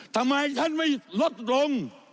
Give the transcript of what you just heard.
ทำไมท่านไม่ลดลง